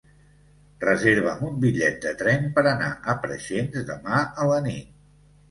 Reserva'm un bitllet de tren per anar a Preixens demà a la nit.